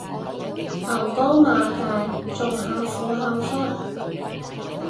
牛高馬大仲喊苦喊忽